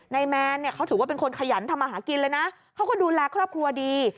แมนเนี่ยเขาถือว่าเป็นคนขยันทำมาหากินเลยนะเขาก็ดูแลครอบครัวดี